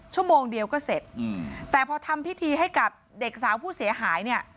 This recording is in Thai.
ชั่วโมงเดียวก็เสร็จแต่พอทำพิธีให้กับเด็กสาวผู้เสียหายเนี่ย